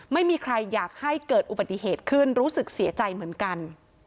ไม่มีใครอยากให้เกิดอุบัติเหตุขึ้นรู้สึกเสียใจเหมือนกัน